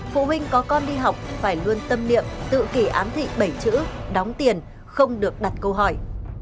phụ huynh có con đi học phải luôn tâm niệm tự kỷ ám thị bảy chữ đóng tiền không được đặt câu hỏi